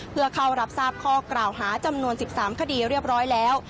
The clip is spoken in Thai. เพื่อเข้ารับทราบข้อกล่าวหาจำนวน๑๓คดีเรียบร้อยแล้ว